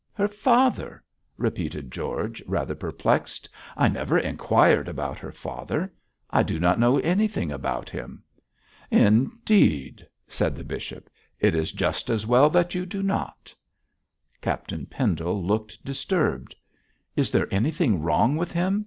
'Her father!' repeated George, rather perplexed. 'I never inquired about her father; I do not know anything about him.' 'Indeed!' said the bishop, 'it is just as well that you do not.' Captain Pendle looked disturbed. 'Is there anything wrong with him?'